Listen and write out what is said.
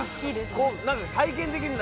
こうなんか体験できるんだ。